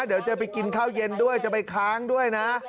เดี๋ยวจะไปกินข้าวเย็นด้วยจะไปค้างด้วยนะ